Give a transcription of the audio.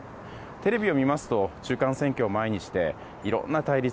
テレビを見ますと中間選挙を前にしていろんな対立